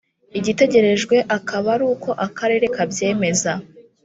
igitegerejwe akaba ari uko akarere kabyemeza